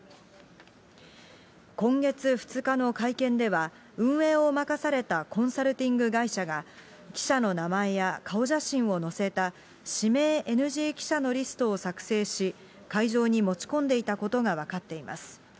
今月２日の会見では、運営を任されたコンサルティング会社が、記者の名前や顔写真を載せた指名ＮＧ記者のリストを作成し、会場に持ち込んでいたことが分かっています。